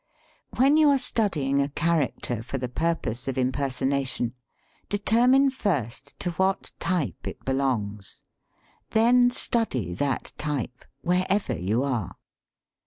When you are studying a character for the purpose of impersonation determine first to what type it belongs. Then study that type, wherever you are.